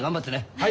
はい。